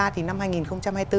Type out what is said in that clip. thì năm hai nghìn hai mươi bốn